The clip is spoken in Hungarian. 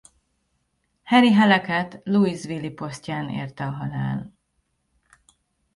Henry Hallecket Louisville-i posztján érte a halál.